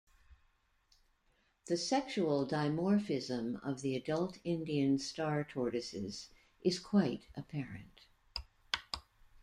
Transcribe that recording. The sexual dimorphism of adult Indian star tortoises is quite apparent.